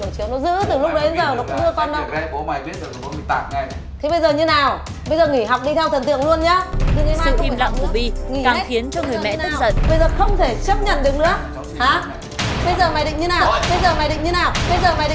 không không ngồi mẹ không ngồi mẹ không ngồi mẹ